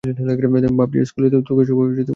ভাবছি স্কুলে তোকে সবাই কীভাবে সহ্য করে।